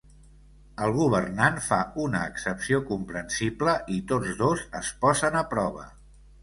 El governant fa una excepció comprensible, i tots dos es posen a prova.